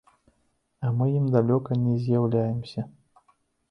А мы ім далёка не з'яўляемся.